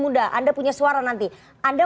muda anda punya suara nanti anda